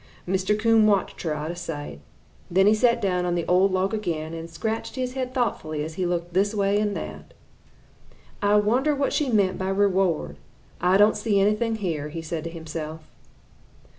Mr. Coon watched her out of sight. Then he sat down on the old log again and scratched his head thoughtfully as he looked this way and that. "'I wonder what she meant by reward. I don't see any anywhere,' he said to himself.